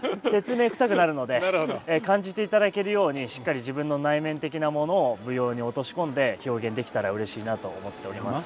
感じていただけるようにしっかり自分の内面的なものを舞踊に落とし込んで表現できたらうれしいなと思っております。